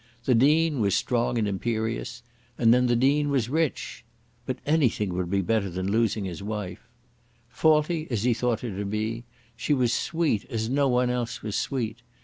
The Dean was strong and imperious; and then the Dean was rich. But anything would be better than losing his wife. Faulty as he thought her to be, she was sweet as no one else was sweet.